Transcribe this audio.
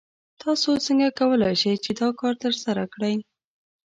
تاسو څنګه کولی شئ چې دا کار ترسره کړئ؟